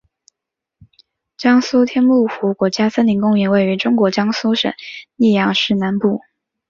江苏天目湖国家森林公园位于中国江苏省溧阳市南部。